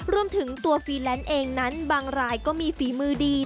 รวมถึงตัวฟีแลนซ์เองนั้นบางรายก็มีฝีมือดี